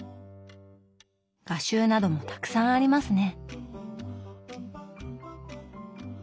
画集などもたくさんありますね。